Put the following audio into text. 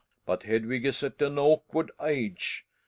But Hedvig is at an awkward aga.